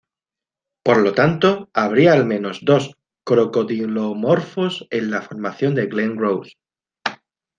Por lo tanto, habría al menos dos crocodilomorfos en la Formación Glen Rose.